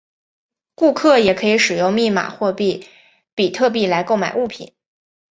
顾客也可以使用密码货币比特币来购买物品。